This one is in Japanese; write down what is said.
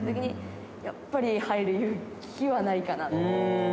やっぱり入る勇気はないかな。